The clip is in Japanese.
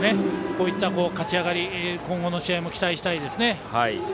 こういった勝ち上がりを今後の試合も期待したいですね。